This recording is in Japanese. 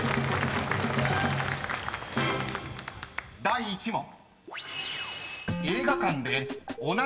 ［第１問］